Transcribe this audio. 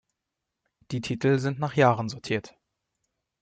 Die Titel sind nach Jahren sortiert.